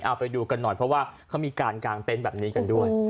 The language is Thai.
เอาไปดูกันหน่อยเพราะว่าเขามีการกางเต็นต์แบบนี้กันด้วย